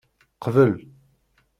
Kbel.